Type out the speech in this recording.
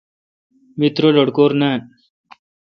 می ترہ لٹکور نان۔